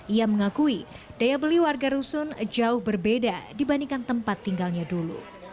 ia mengakui daya beli warga rusun jauh berbeda dibandingkan tempat tinggalnya dulu